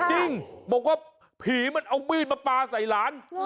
จริงบอกว่าผีมันเอามีดมาปลาใส่หลาน